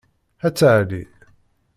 At ɛli.